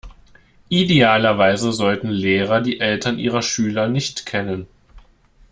Idealerweise sollten Lehrer die Eltern ihrer Schüler nicht kennen.